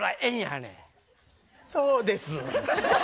そうです！